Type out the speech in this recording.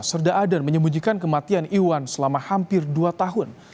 serda aden menyembunyikan kematian iwan selama hampir dua tahun